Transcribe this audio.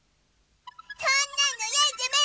そんなのやじゃま！